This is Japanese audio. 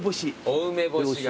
お梅干しが。